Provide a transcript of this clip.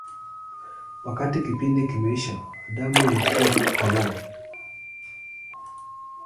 Wakati kipindi kimeisha, damu inakuwa polong.